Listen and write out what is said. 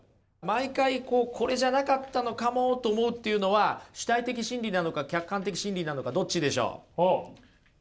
毎回こうこれじゃなかったのかもと思うっていうのは主体的真理なのか客観的真理なのかどっちでしょう？